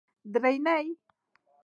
درېنۍ